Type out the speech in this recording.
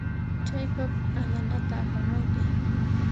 Chay papa allanata apamunki.